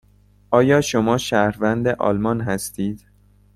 آیا شما شهروند آلمان هستید؟